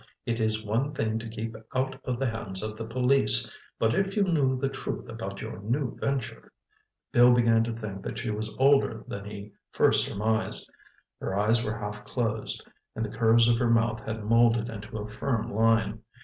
It is one thing to keep out of the hands of the police, but if you knew the truth about your new venture—" Bill began to think that she was older than he first surmised. Her eyes were half closed, and the curves of her mouth had moulded into a firm line.